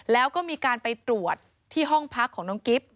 แล้วก็มีการไปตรวจที่ห้องพักของน้องกิฟต์